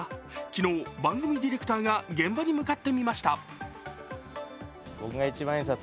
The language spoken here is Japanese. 昨日、番組ディレクターが現場に向かってみました。